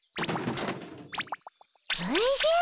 おじゃ！